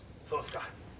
そうですか。